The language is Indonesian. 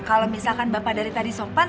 kalau misalkan bapak dari tadi sempat